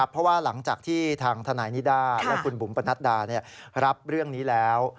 เพราะว่าหลังจากที่ทางทนายนิด้าและคุณบุ๋มปนัดดารับเรื่องนี้แล้ว